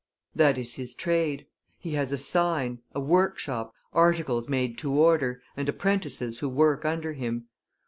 That is his trade; he has a sign, a workshop, articles made to order, and apprentices who work under him.